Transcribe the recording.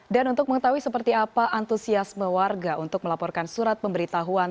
dan untuk mengetahui seperti apa antusiasme warga untuk melaporkan surat pemberitahuan